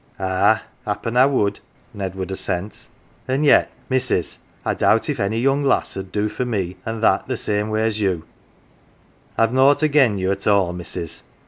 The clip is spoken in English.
Ah, happen I would," Ned would assent ;" an' yet, missus, I doubt if any young lass 'ud do for me an' that same way as you. I've nought again you at all, missus.